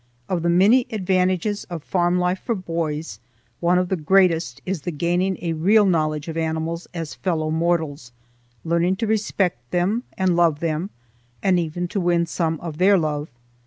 Of the many advantages of farm life for boys one of the greatest is the gaining a real knowledge of animals as fellow mortals, learning to respect them and love them, and even to win some of their love.